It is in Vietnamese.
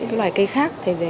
cũng như cây mắc ca